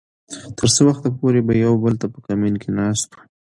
تر څه وخته پورې به يو بل ته په کمين کې ناست وو .